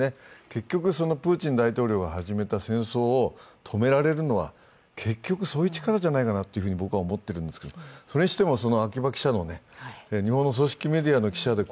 結局、プーチン大統領が始めた戦争を止められるのは結局、そういう力じゃないかなと僕は思っているんですけれどもそれにしても秋場記者の、日本の組織メディアの記者で